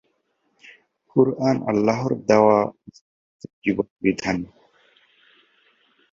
পূর্বাভাস হল কোনো অনিয়ন্ত্রিত অবস্থায় সম্ভাব্য ফলাফলের অনুমানের প্রক্রিয়া।